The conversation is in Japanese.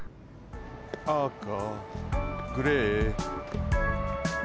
あかグレー。